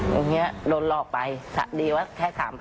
อย่างนี้โดนหลอกไปสะดีว่าแค่๓๐๐